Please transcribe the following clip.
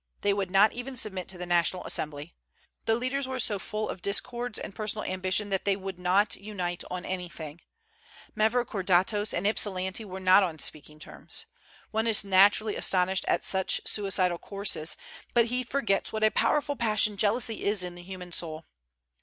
They would not even submit to the National Assembly. The leaders were so full of discords and personal ambition that they would not unite on anything. Mavrokordatos and Ypsilanti were not on speaking terms. One is naturally astonished at such suicidal courses, but he forgets what a powerful passion jealousy is in the human soul.